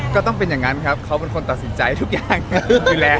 ก็เป็นอย่างนั้นครับเขาเป็นคนตัดสินใจทุกอย่างดูแล